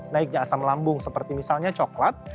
naiknya asam lambung seperti misalnya coklat